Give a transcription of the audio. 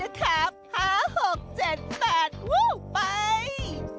ลองเล่นนะครับห้าหกเจ็ดแปดวู้ไป